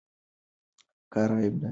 کار عیب نه دی.